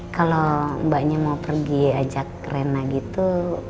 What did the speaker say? kalau mbaknya mau pergi ajak kerena gitu